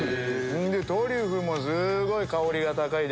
トリュフもすごい香りが高いですし。